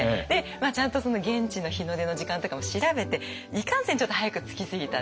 ちゃんと現地の日の出の時間とかも調べていかんせんちょっと早く着きすぎたって。